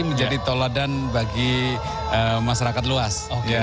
menjadi toladan bagi masyarakat luas